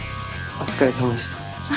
お疲れさまでした。